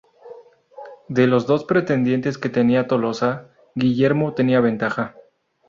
De los dos pretendientes que tenía Tolosa, Guillermo tenía ventaja.